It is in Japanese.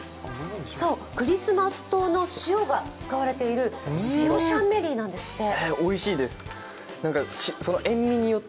クリスマス島の塩が使われている塩シャンメリーなんですって。